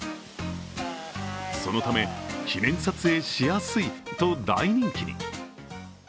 そのため、記念撮影しやすいと大人気に。